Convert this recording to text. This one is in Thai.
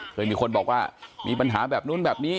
เคยมีคนบอกว่ามีปัญหาแบบนู้นแบบนี้